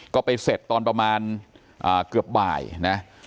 ก็ไปเสร็จตอนประมาณเกือบบ่ายนะ